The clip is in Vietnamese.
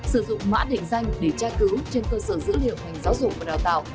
sử dụng mã định danh để tra cứu trên cơ sở dữ liệu ngành giáo dục và đào tạo